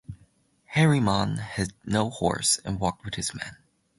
Harriman had no horse and walked with his men.